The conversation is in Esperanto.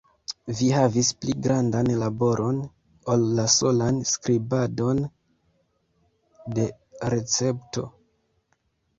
Vi havis pli grandan laboron, ol la solan skribadon de recepto.